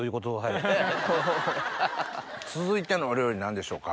続いてのお料理何でしょうか？